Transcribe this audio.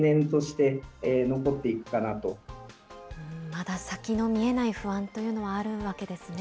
まだ先の見えない不安というのはあるわけですね。